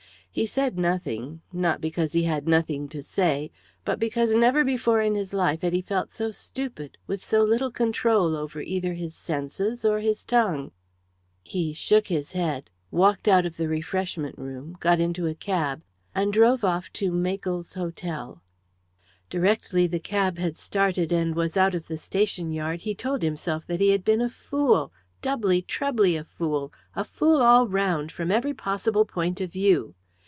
He said nothing not because he had nothing to say, but because never before in his life had he felt so stupid, with so little control over either his senses or his tongue. He shook his head, walked out of the refreshment room, got into a cab, and drove off to Makell's hotel. Directly the cab had started and was out of the station yard he told himself that he had been a fool doubly, trebly, a fool a fool all round, from every possible point of view.